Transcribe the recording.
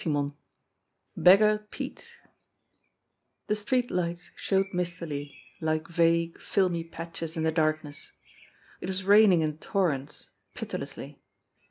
X BEGGAR PETE THE street lights showed mistily, like vague, filmy patches in the darkness. It was raining in torrents, pitilessly.